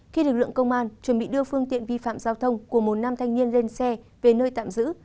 khi lực lượng công an chuẩn bị đưa phương tiện vi phạm giao thông của một nam thanh niên lên xe về nơi tạm giữ